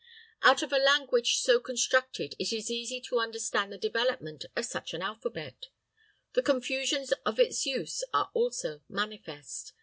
Out of a language so constructed it is easy to understand the development of such an alphabet. The confusions of its use are also manifest.